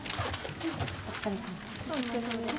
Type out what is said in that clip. お疲れさまです。